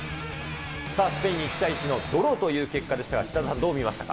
さあ、スペインに１対１のドローという結果でしたが、北澤さん、どう見ましたか。